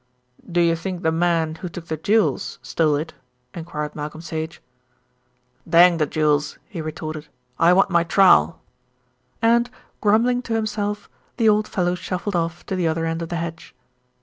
"Do you think the man who took the jewels stole it?" enquired Malcolm Sage. "Dang the jools," he retorted, "I want my trowel," and, grumbling to himself, the old fellow shuffled off to the other end of the hedge.